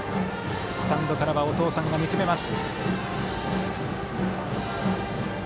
スタンドからはお父さんが見つめます。